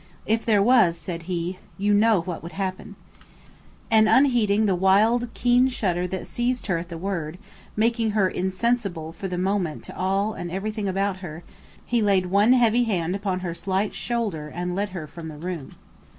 "If there was," said he, "you know what would happen." And unheeding the wild keen shudder that seized her at the word, making her insensible for the moment to all and everything about her, he laid one heavy hand upon her slight shoulder and led her from the room.